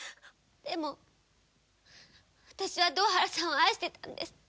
でも私は堂原さんを愛してたんです。